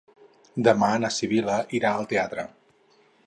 Demà na Sibil·la irà al teatre.